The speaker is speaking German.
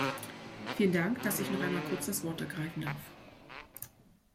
Vielen Dank, dass ich noch einmal kurz das Wort ergreifen darf.